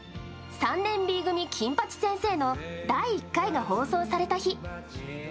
「３年Ｂ組金八先生」の第１回が放送された日。